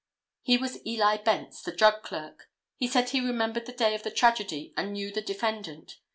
He was Eli Bence, the drug clerk. He said he remembered the day of the tragedy and knew the defendant.